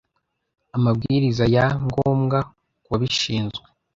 amabwiriza ya ngombwa ku babishinzwe